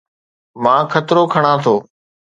مان خطرو کڻان ٿو